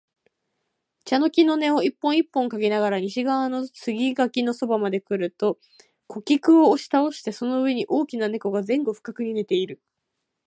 茶の木の根を一本一本嗅ぎながら、西側の杉垣のそばまでくると、枯菊を押し倒してその上に大きな猫が前後不覚に寝ている